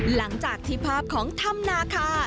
หลังจากที่ภาพของถ้ำนาคา